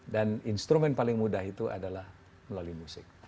dan instrumen paling mudah itu adalah melalui musik